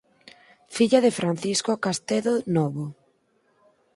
Filla de Francisco Castedo Novo.